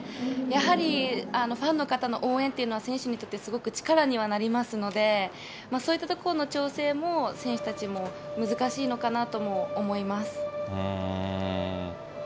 やはりファンの方の応援というのは、選手にとってすごく力にはなりますので、そういったところの調整も、選手たちも難しいのかなとも思います。